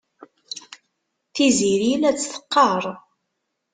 Tiziri la tt-teqqar.